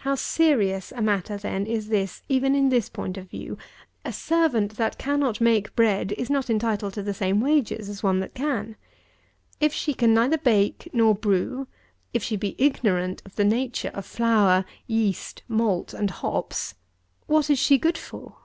87. How serious a matter, then, is this, even in this point of view! A servant that cannot make bread is not entitled to the same wages as one that can. If she can neither bake nor brew; if she be ignorant of the nature of flour, yeast, malt, and hops, what is she good for?